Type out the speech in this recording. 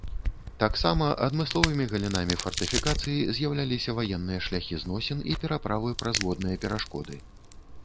Таксама адмысловымі галінамі фартыфікацыі з'яўляліся ваенныя шляхі зносін і пераправы праз водныя перашкоды.